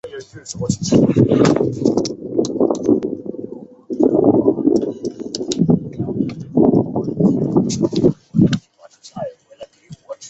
该物种的模式产地在鄂毕河。